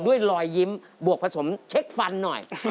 ด้วยรอยยิ้มบวกผสมเช็คฟันหน่อย